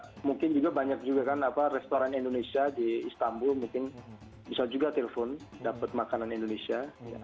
nah mungkin juga banyak juga kan restoran indonesia di istanbul mungkin bisa juga telpon dapat makanan indonesia